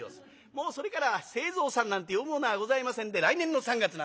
もうそれからは「清蔵さん」なんて呼ぶ者はございませんで「来年の三月」なんてんであだ名が付く。